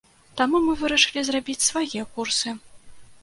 Таму мы вырашылі зрабіць свае курсы.